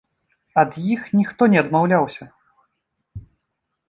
Ад іх ніхто не адмаўляўся.